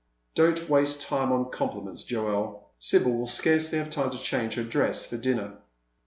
" Don't waste time on compliments, Joel ; Sibyl will scarcely have time to change her dress for dinner."